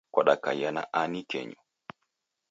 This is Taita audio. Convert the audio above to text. Kwadakaiya na ani kenyu